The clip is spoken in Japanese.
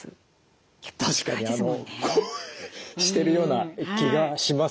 たしかにこうしてるような気がします。